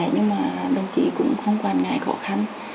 nhưng mà đồng chí cũng không quản ngại khó khăn